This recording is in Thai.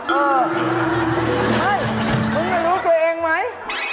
เห้ยมึงไม่รู้ตัวเองไหม